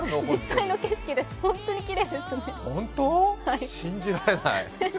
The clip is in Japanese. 実際の景色です、本当にきれいですね。